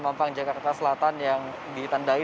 mampang jakarta selatan yang ditandai